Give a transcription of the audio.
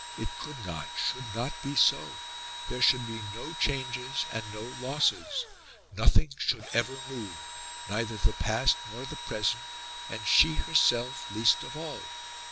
It could not, should not be so! There should be no changes and no losses! Nothing should ever move neither the past nor the present and she herself least of all!